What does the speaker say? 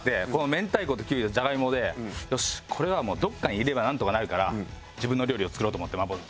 明太子ときゅうりとジャガイモでよしこれはどこかに入れればなんとかなるから自分の料理を作ろうと思って麻婆豆腐。